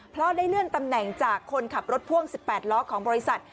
เพราะได้เลื่อนตำแหน่งจากคนขับรถพ่วง๑๘ล้อของบริษัท